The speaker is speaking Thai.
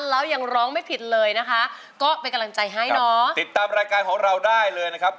แล้วยังร้องไม่ผิดเลยนะคะก็เป็นกำลังใจให้เนาะติดตามรายการของเราได้เลยนะครับ